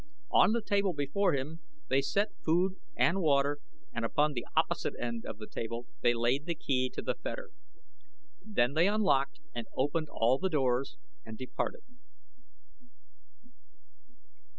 On the table before him they set food and water and upon the opposite end of the table they laid the key to the fetter. Then they unlocked and opened all the doors and departed.